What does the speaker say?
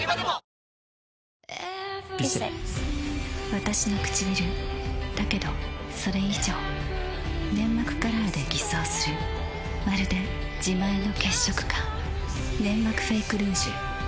わたしのくちびるだけどそれ以上粘膜カラーで偽装するまるで自前の血色感「ネンマクフェイクルージュ」